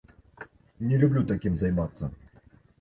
Не люблю такім займацца.